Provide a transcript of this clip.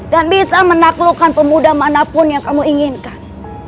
dan bisa menaklukkan pemuda manapun yang kamu inginkan